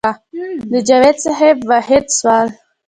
د جاوېد صېب واحد سوال